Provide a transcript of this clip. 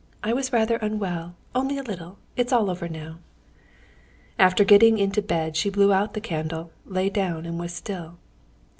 I was rather unwell, only a little. It's all over now." And getting into bed, she blew out the candle, lay down and was still.